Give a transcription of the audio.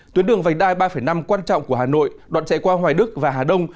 tuyến đường vành đai ba năm quan trọng của hà nội đoạn chạy qua hoài đức và hà đông